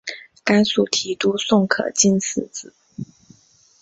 甘肃提督宋可进嗣子。